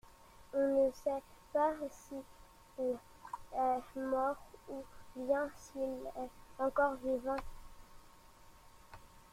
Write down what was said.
On ne sait pas s’il est mort ou bien s’il est encore vivant.